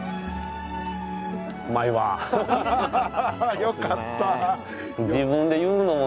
よかった。